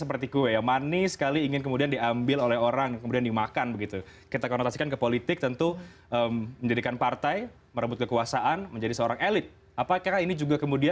pengambil kebijakan publik begitu